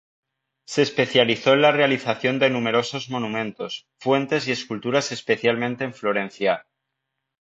Se especializó en la realización de numerosos monumentos, fuentes y esculturas especialmente en Florencia.